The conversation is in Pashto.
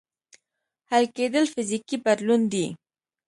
حل کېدل فزیکي بدلون دی.